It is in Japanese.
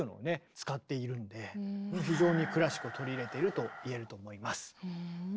使っているんで非常にクラシックを取り入れてると言えると思います。